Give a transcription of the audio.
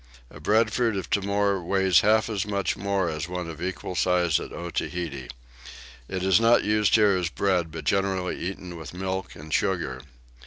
A breadfruit of Timor weighs half as much more as one of equal size at Otaheite. It is not used here as bread but generally eaten with milk and sugar.